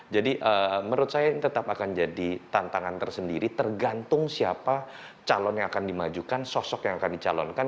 jadi menurut saya ini tetap akan jadi tantangan tersendiri tergantung siapa calon yang akan dimajukan sosok yang akan dicalonkan